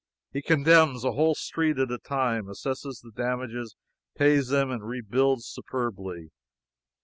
He condemns a whole street at a time, assesses the damages, pays them, and rebuilds superbly.